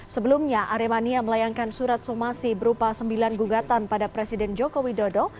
sebelumnya aremania melayangkan surat somasi berupa sembilan gugatan pada presiden joko widodo